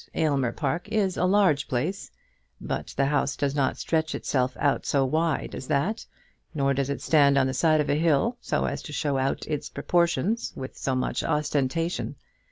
Aylmer Park is a large place; but the house does not stretch itself out so wide as that; nor does it stand on the side of a hill so as to show out its proportions with so much ostentation.